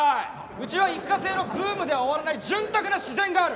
うちは一過性のブームでは終わらない潤沢な自然がある！